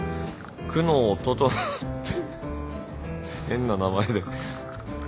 久能整っていう変な名前で。